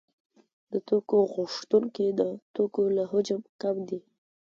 د توکو غوښتونکي د توکو له حجم کم دي